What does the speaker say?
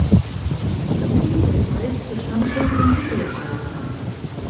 Das Hindu-Reich bestand schon im Mittelalter.